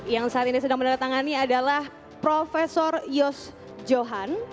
yang saat ini sedang menandatangani adalah prof yos johan